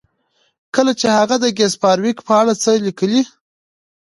کله چې هغه د ګس فارویک په اړه څه لیکي